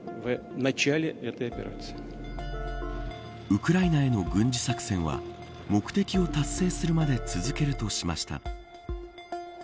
ウクライナへの軍事作戦は目的を達成するまで続けるとしました。